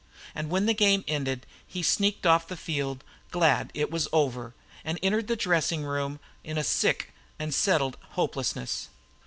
And when the game ended he sneaked off the field, glad it was all over, and entered the dressing room in a sick and settled hopelessness.